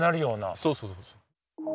そうそうそうそう。